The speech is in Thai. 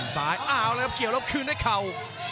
ซ้ายอ้าวแล้วครับเกี่ยวแล้วคืนให้เข่า